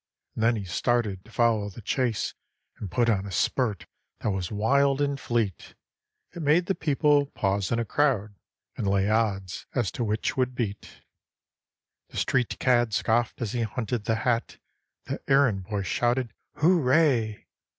And then he started to follow the chase, And put on a spurt that was wild and fleet, It made the people pause in a crowd, And lay odds as to which would beat. The street cad scoffed as he hunted the hat, The errand boy shouted hooray!